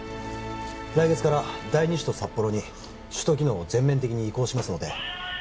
来月から第二首都札幌に首都機能を全面的に移行しますので我々は許しません！